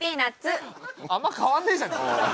あんま変わんねえじゃねぇかよ。